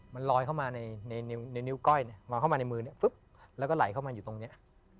มันลอยเข้ามาในนิ้วก้อยมาเข้ามาในมือแล้วก็ไหลเข้ามาอยู่ตรงนี้